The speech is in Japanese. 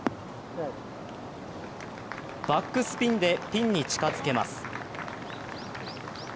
バックスピンでピンに近づけます。